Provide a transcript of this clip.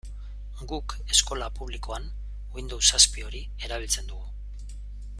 Guk, eskola publikoan, Windows zazpi hori erabiltzen dugu.